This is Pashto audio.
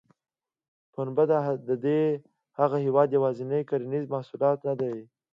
پنبه د دې هېواد یوازینی کرنیز محصول نه دی.